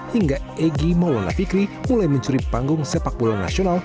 hingga egy maulana fikri mulai mencuri panggung sepak bola nasional